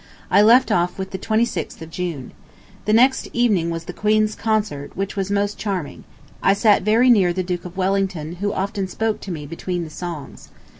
... I left off with the 26th of June. ... The next evening was the Queen's Concert, which was most charming. I sat very near the Duke of Wellington, who often spoke to me between the songs.